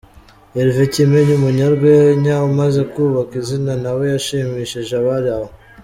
Herve Kimenyi Umunyarwenya umaze kubaka izina nawe yashimishije abari aho.